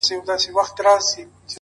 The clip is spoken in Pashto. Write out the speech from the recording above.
مګر زه خو قاتل نه یمه سلطان یم-